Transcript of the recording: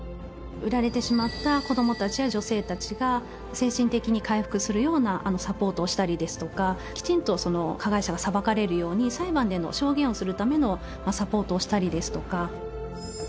売られてしまった子どもたちや女性たちが精神的に回復するようなサポートをしたりですとかきちんと加害者が裁かれるように裁判での証言をするためのサポートをしたりですとか。